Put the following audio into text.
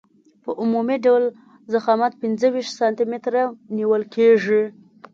په عمومي ډول ضخامت پنځه ویشت سانتي متره نیول کیږي